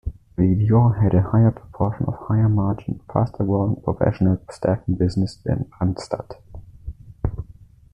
Vedior had a higher proportion of higher-margin, faster growing professional staffing business than Randstad.